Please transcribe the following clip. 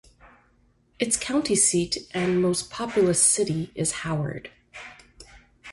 Its county seat and most populous city is Howard.